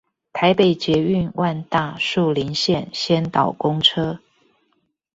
台北捷運萬大樹林線先導公車